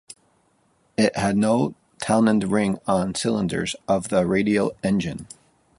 It had no Townend ring on cylinders of the radial engine.